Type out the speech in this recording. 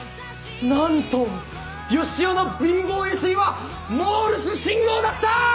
なんと良夫の貧乏揺すりはモールス信号だった！